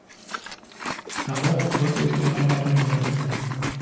Darauf wollte ich noch einmal hinweisen.